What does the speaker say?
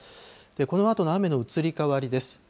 このあとの雨の移り変わりです。